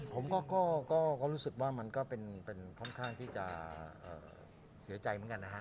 ผมก็รู้สึกว่ามันก็เป็นค่อนข้างที่จะเสียใจเหมือนกันนะฮะ